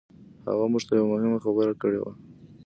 هغه موږ ته يوه مهمه خبره کړې وه.